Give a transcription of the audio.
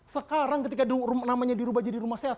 sekarang ketika namanya dirubah jadi rumah sehat